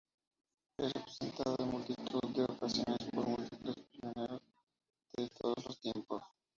Es representado en multitud de ocasiones por múltiples pintores de todos los tiempos.